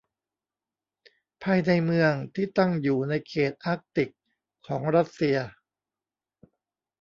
ภายในเมืองที่ตั้งอยู่ในเขตอาร์กติกของรัสเซีย